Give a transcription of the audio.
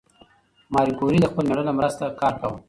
ماري کوري د خپل مېړه له مرسته کار کاوه.